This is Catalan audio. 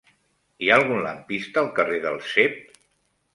Hi ha algun lampista al carrer del Cep?